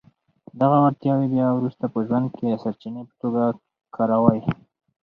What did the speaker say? دغه وړتياوې بيا وروسته په ژوند کې د سرچینې په توګه کاروئ.